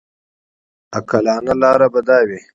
عاقلانه لاره به دا وه.